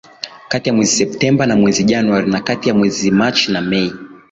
kati ya mwezi Septemba na mwezi Januari na kati ya mwezi Machi na Mei